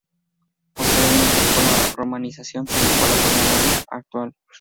Posteriormente, con la romanización, se llegó a la forma "Navia" actual.